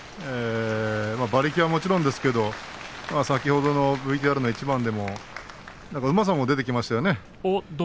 馬力はもちろんですが先ほどのＶＴＲの一番でもうまさも出てきましたね。